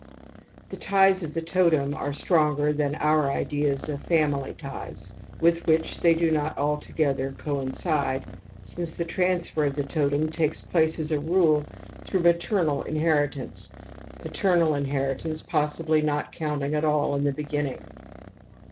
The ties of the totem are stronger than our ideas of family ties, with which they do not altogether coincide, since I the transfer of the totem takes place as a rule I through maternal inheritance, paternal inherit j ance possibly not coimting at all in the begin ning.